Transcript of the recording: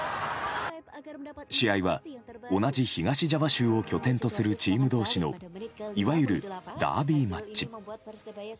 試合は、同じ東ジャワ州を拠点とするチーム同士のいわゆるダービーマッチ。